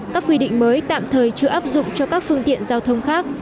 các quy định mới tạm thời chưa áp dụng cho các phương tiện giao thông khác